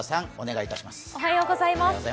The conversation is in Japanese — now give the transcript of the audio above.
おはようございます。